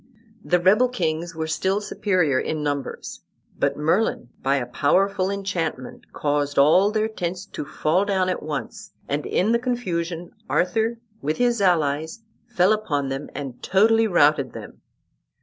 The rebel kings were still superior in numbers; but Merlin, by a powerful enchantment, caused all their tents to fall down at once, and in the confusion Arthur with his allies fell upon them and totally routed them.